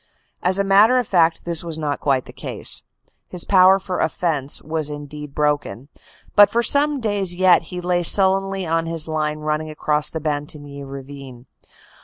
As a matter of fact this was not quite the case. His power for offense was indeed broken, but for some days yet he lay sullenly on his line running across the Bantigny Ravine.